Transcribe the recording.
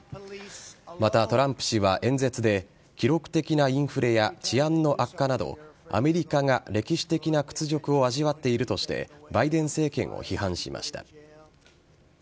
また、トランプ氏は演説で記録的なインフレや治安の悪化などアメリカが歴史的な屈辱を味わっているとしてバイデン政権を批判しました。